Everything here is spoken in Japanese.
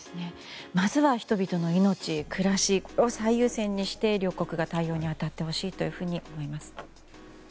まずは人々の命、暮らしを最優先にして両国に対応に当たってほしいと思います。